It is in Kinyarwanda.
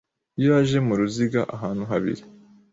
Iyo aje muruziga ahantu habiri